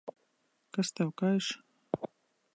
Kas tev kaiš?